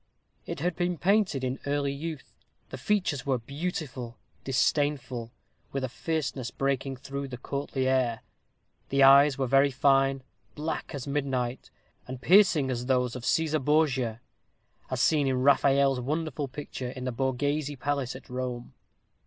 It had been painted in early youth; the features were beautiful, disdainful, with a fierceness breaking through the courtly air. The eyes were very fine, black as midnight, and piercing as those of Cæsar Borgia, as seen in Raphael's wonderful picture in the Borghese Palace at Rome.